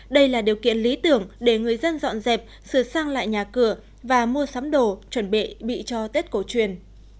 đây là điều kiện lý tưởng để người dân dọn dẹp sửa sang lại nhà cửa và mua sắm đồ chuẩn bị bị cho tết cổ truyền